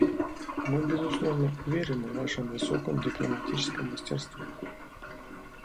Мы, безусловно, уверены в Вашем высоком дипломатическом мастерстве.